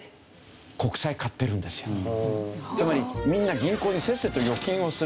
つまりみんな銀行にせっせと預金をする。